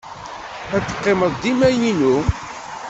Ad teqqimeḍ dima inu.